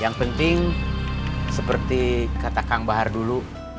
yang penting seperti kata kang bahar dulu